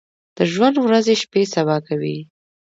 د ژوند ورځې شپې سبا کوي ۔